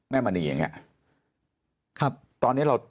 เพราะอาชญากรเขาต้องปล่อยเงิน